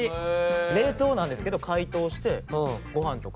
冷凍なんですけど解凍してご飯とか。